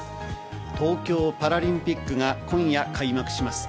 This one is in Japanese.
東京パラリンピックが今夜開幕します。